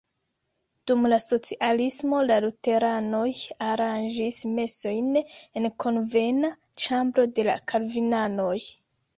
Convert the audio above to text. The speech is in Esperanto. Dum la socialismo la luteranoj aranĝis mesojn en konvena ĉambro de la kalvinanoj.